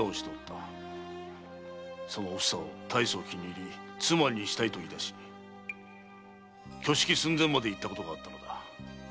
そのおふさをたいそう気に入り妻にしたいと言い出し挙式寸前までいったことがあったのだ。